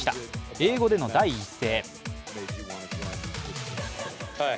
英語での第一声。